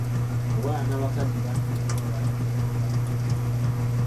Abawala n'abakazi bangi leero balwala Kkookolo w'amabeere.